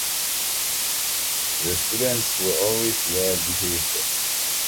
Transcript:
The students were always well behaved.